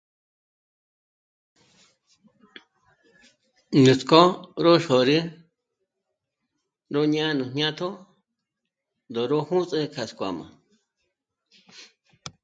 Nuts'k'ó ró xôrü nú ñá'a nú jñátjo ndó ró jū̀s'ü kja skjùama